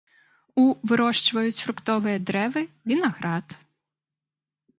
У вырошчваюць фруктовыя дрэвы, вінаград.